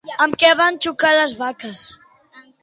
Amb què es van xocar les vaques?